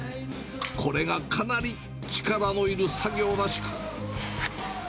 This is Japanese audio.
これがかなり力のいる作業らしく。